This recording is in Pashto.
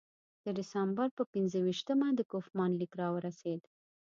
د ډسامبر پر پنځه ویشتمه د کوفمان لیک راورسېد.